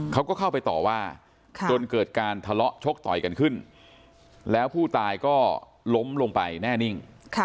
เขาก็เข้าไปต่อว่าจนเกิดการทะเลาะชกต่อยกันขึ้นแล้วผู้ตายก็ล้มลงไปแน่นิ่ง